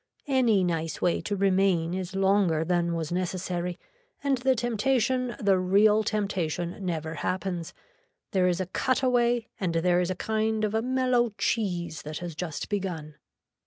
Any nice way to remain is longer than was necessary and the temptation the real temptation never happens, there is a cut away and there is a kind of a mellow cheese that has just begun.